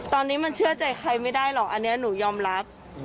ตอนนี้มันเชื่อใจใครไม่ได้หรอกอันนี้หนูยอมรับ